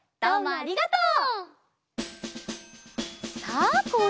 ありがとう！